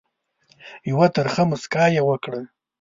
یوه ترخه مُسکا یې وکړه.